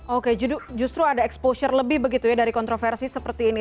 oke justru ada exposure lebih begitu ya dari kontroversi seperti ini